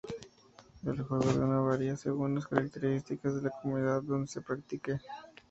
El juego de uno varía según las características de la comunidad donde se practique.